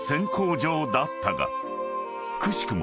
［くしくも